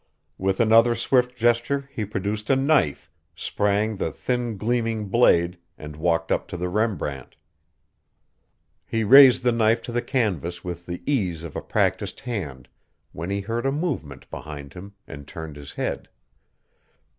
With another swift gesture he produced a knife, sprang the thin gleaming blade and walked up to the Rembrandt. He raised the knife to the canvas with the ease of a practiced hand, when he heard a movement behind him, and turned his head.